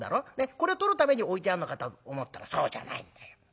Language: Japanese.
これを取るために置いてあるのかと思ったらそうじゃないんだよ。